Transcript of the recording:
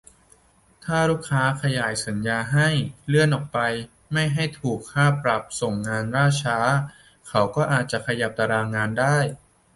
ถ้าลูกค้าขยายสัญญาให้ เลื่อนออกไปไม่ให้ถูกค่าปรับส่งงานล่าช้า เขาก็อาจจะขยับตารางงานได้